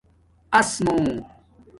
اَس مُو